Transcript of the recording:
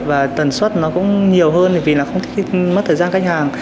và tần suất nó cũng nhiều hơn vì nó không thích mất thời gian khách hàng